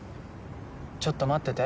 ちょっと待ってて。